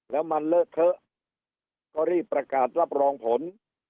แล้วมันเลอะเทอะก็รีบประกาศรับรองผล